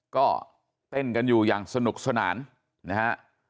ก็เต้นกันอยู่อย่างสนุกสนานนะฮะ